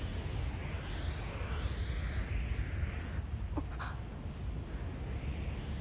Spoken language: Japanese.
あっ。